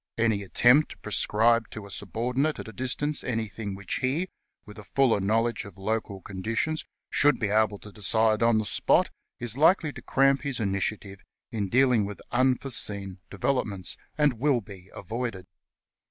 Any attempt to prescribe to a subordinate at a distance anything which he, with a fuller knowledge of local conditions, should be better able to decide on the spot, is likely to cramp his initiative in dealing with unforeseen developments, and will be avoided.